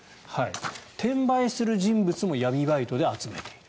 転売する人物も闇バイトで集めている。